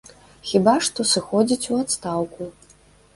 Хіба што сыходзіць у адстаўку.